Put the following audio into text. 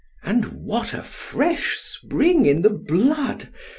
and what a fresh spring in the blood!